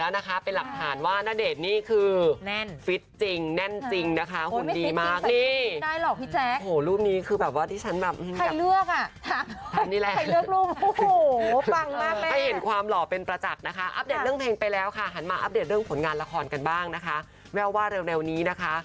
นิ่งเหมือนเรื่องนี้